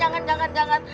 jangan jangan jangan